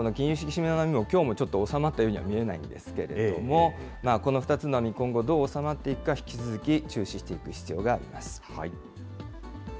引き締めの波も、きょうもちょっと収まったようには見えないんですけれども、この２つの波、今後どう収まっていくか引き続き、注視していく必要があります。